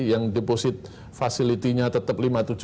yang deposit facility nya tetap lima tujuh